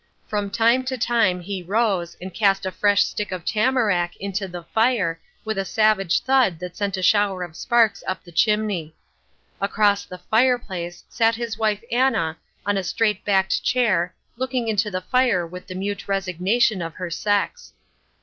From time to time he rose and cast a fresh stick of tamarack into the fire with a savage thud that sent a shower of sparks up the chimney. Across the fireplace sat his wife Anna on a straight backed chair, looking into the fire with the mute resignation of her sex.